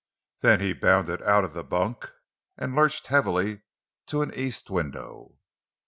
Then he bounded out of the bunk and lurched heavily to an east window.